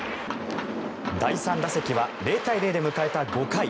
第３打席は０対０で迎えた５回。